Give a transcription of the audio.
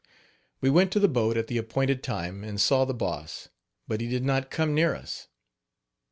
" We went to the boat at the appointed time and saw the Boss, but he did not come near us.